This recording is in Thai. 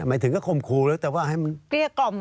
หมายถึงก็ขมคูเลยแต่ว่าให้มัน